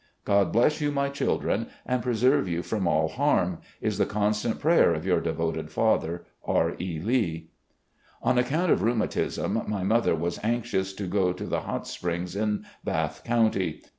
... God bless you, my children, and preserve you from all harm is the constant prayer of " Your devoted father, "R. E. Lee." On account of rhetunatism, my mother was anxious to go to the Hot Springs in Bath County.